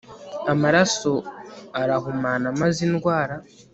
Amaraso arahumana maze indwara